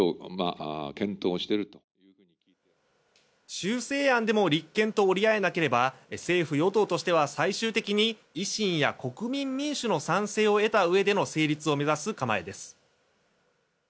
修正案でも立憲と折り合えなければ政府・与党としては、最終的に維新や国民民主の賛成を得たうえでの成立を目指す構えです。